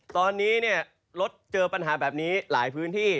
ตอนนี้รถเจอปัญหาแบบนี้หลายพื้นที่